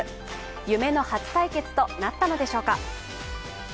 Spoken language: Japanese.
夢の初対決となったのでしょうか。